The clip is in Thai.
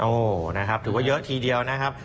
โอ้นะครับถือว่าเยอะทีเดียวนะครับ